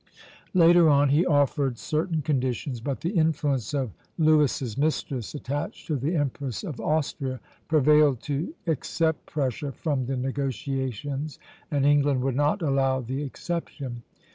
Later on he offered certain conditions; but the influence of Louis's mistress, attached to the Empress of Austria, prevailed to except Prussia from the negotiations, and England would not allow the exception.